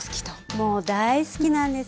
もう大好きなんです。